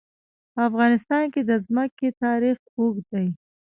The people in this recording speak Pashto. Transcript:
په افغانستان کې د ځمکه تاریخ اوږد دی.